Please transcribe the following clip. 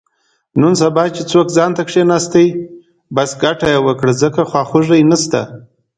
نن سبا چې څوک ځانته کېناستو، بس ګټه یې وکړه، ځکه خواخوږی نشته.